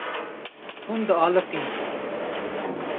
Hûn dialiqîn.